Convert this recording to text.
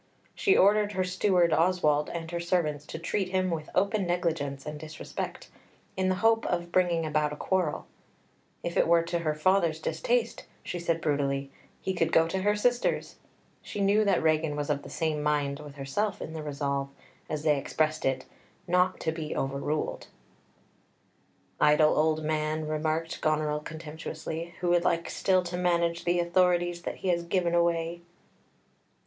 She ordered her steward Oswald and her servants to treat him with open negligence and disrespect, in the hope of bringing about a quarrel; if it were to her father's distaste, she said brutally, he could go to her sister's; she knew that Regan was of the same mind with herself in the resolve, as they expressed it, "not to be overruled." "Idle old man," remarked Goneril contemptuously, "who would like still to manage the authorities that he has given away."